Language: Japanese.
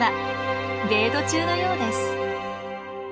デート中のようです。